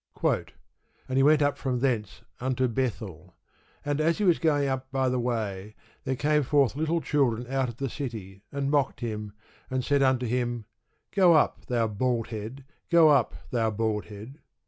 And he went up from thence unto Bethel: and as he was going up by the way, there came forth little children out of the city, and mocked him, and said unto him, Go up, thou bald head; go up, thou bald head.